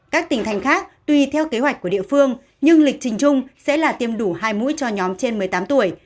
các tỉnh thành khác tuy theo kế hoạch của địa phương nhưng lịch trình chung sẽ là tiêm đủ hai mũi cho nhóm trên một mươi tám tuổi